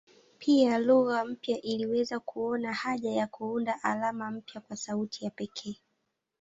Pia lugha mpya iliweza kuona haja ya kuunda alama mpya kwa sauti ya pekee.